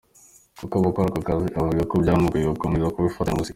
Kuba akora aka kazi, avuga ko byamugoye gukomeza kubifatanya na muzika.